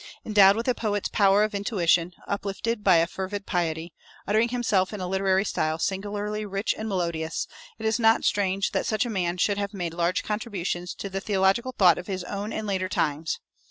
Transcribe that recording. Endowed with a poet's power of intuition, uplifted by a fervid piety, uttering himself in a literary style singularly rich and melodious, it is not strange that such a man should have made large contributions to the theological thought of his own and later times.